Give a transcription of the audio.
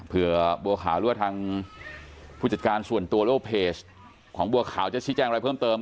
เพื่อบัวขาวรั่วทางผู้จัดการส่วนตัวของบัวขาวจะใช้แจ้งอะไรเพิ่มเติม